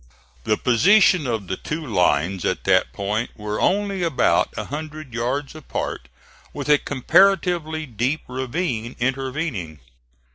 The position of the two lines at that point were only about a hundred yards apart with a comparatively deep ravine intervening.